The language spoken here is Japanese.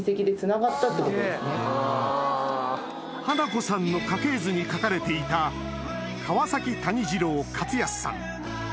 華子さんの家系図に書かれていた川崎多仁次郎勝安さん